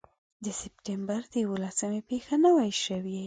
د سپټمبر د یوولسمې پېښه نه وای شوې.